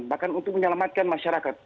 bahkan untuk menyelamatkan masyarakat